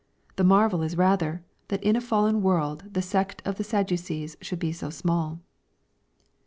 The marvel is rather, that in a fallen world the sect of the Sadducees should be so small.